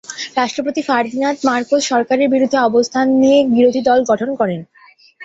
রাষ্ট্রপতি Ferdinand Marcos সরকারের বিরুদ্ধে অবস্থান নিয়ে বিরোধী দল গঠন করেন।